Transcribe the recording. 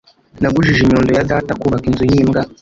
Nagujije inyundo ya data kubaka inzu yimbwa.